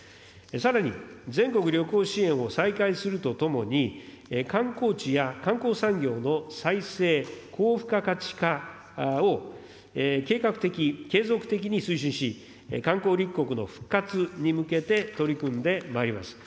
さらに全国旅行支援を再開するとともに、観光地や観光産業の再生、高付加価値化を計画的、継続的に推進し、観光立国の復活に向けて取り組んでまいります。